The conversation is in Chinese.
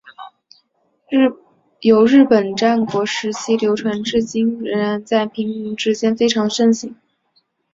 由日本战国时代流传至今依旧在平民之间非常盛行。